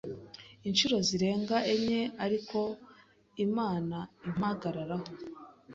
inshuro zirenga enye ariko Imana impagararaho